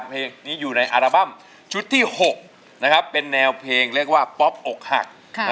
เพลงนี้อยู่ในอัลบั้มชุดที่๖นะครับเป็นแนวเพลงเรียกว่าป๊อปอกหัก